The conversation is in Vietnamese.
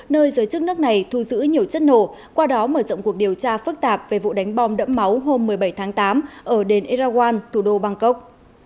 nơi giới chức nước này thu giữ nhiều chất nổ qua đó mở rộng cuộc điều tra phức tạp về vụ đánh bom đẫm máu hôm một mươi bảy tháng tám ở đền eraguan thủ đô bangkok